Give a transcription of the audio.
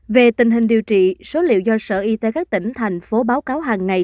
về tình hình điều trị số liệu do sở y tế các tỉnh thành phố báo cáo hàng ngày